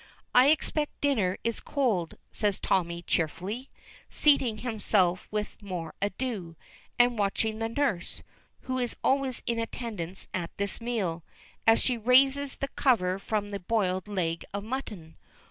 "I expect dinner is cold," says Tommy cheerfully, seating himself without more ado, and watching the nurse, who is always in attendance at this meal, as she raises the cover from the boiled leg of mutton.